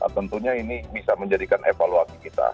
tentunya ini bisa menjadikan evaluasi kita